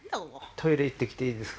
トイレ行ってきていいですか？